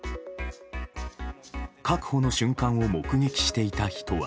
確保の瞬間を目撃していた人は。